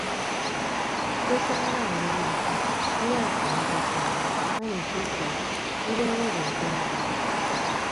Sọsọñọ daña adindọkọ nyaaka ñkese enye aneke atie idoho odo akendad adi.